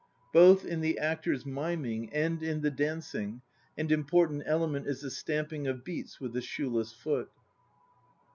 Both in the actors' miming and in the dancing an important element is the stamping of beats with the shoeless foot.